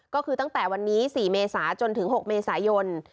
ก็คือตั้งแต่วันนี้๔เมษาจนถึง๖เมษายน